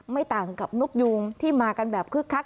ไม่ต่างกับนกยูงที่มากันแบบคึกคัก